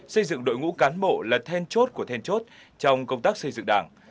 xây dựng đội ngũ cán bộ là then chốt của then chốt trong công tác xây dựng đảng